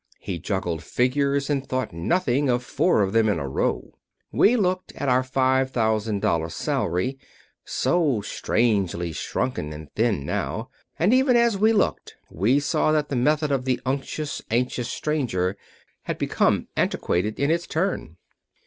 He juggled figures, and thought nothing of four of them in a row. We looked at our five thousand dollar salary, so strangely shrunken and thin now, and even as we looked we saw that the method of the unctuous, anxious stranger had become antiquated in its turn.